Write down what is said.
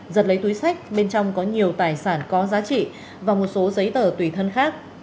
giật lấy túi sách bên trong có nhiều tài sản có giá trị và một số giấy tờ tùy thân khác